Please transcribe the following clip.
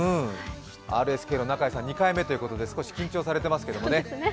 ＲＳＫの中屋さん、２回目ということで緊張されていますけどね。